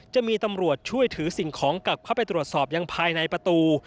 จะมีตำรวจช่วยถือสิ่งของกลับเข้าไปตรวจสอบยังภายในประตู